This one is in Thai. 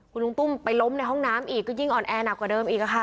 คุณลุงตุ้มไปล้มในห้องน้ำอีกก็ยิ่งอ่อนแอหนักกว่าเดิมอีกค่ะ